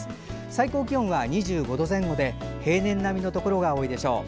最高気温は２５度前後で平年並みのところが多いでしょう。